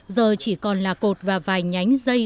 giờ chỉ còn là cột và vài nhánh dây